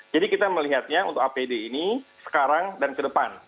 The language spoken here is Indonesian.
jadi kita melihatnya untuk apd ini sekarang dan ke depan